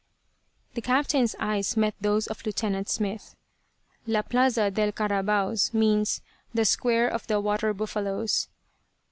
The captain's eyes met those of Lieutenant Smith. "La Plaza del Carabaos" means "The Square of the Water Buffalos."